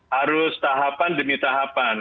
harus tahapan demi tahapan